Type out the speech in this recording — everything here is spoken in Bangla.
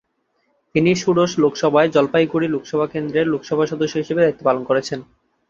তিনি ষোড়শ লোকসভায় জলপাইগুড়ি লোকসভা কেন্দ্রের লোকসভা সদস্য হিসেবে দায়িত্ব পালন করেছেন।